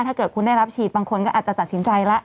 ถ้าเกิดคุณได้รับฉีดบางคนก็อาจจะตัดสินใจแล้ว